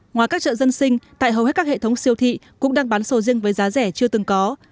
ngoài các chợ dân sinh tại hầu hết các hệ thống siêu thị cũng đang bán sầu riêng với giá rẻ chưa từng có